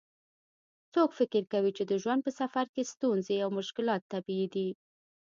څوک فکر کوي چې د ژوند په سفر کې ستونزې او مشکلات طبیعي دي